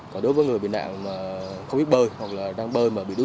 còn đối với người bị nạn mà không biết bơi hoặc đang bơi mà bị đu sức